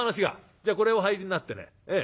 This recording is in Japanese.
じゃあこれをお入りになってね